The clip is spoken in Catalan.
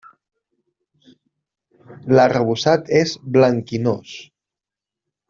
L'arrebossat és blanquinós.